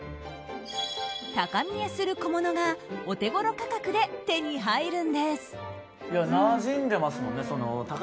高見えする小物がお手ごろ価格で手に入るんです。